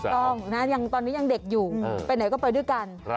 ต้องนะตอนนี้ยังเด็กอยู่ไปไหนก็ไปด้วยกัน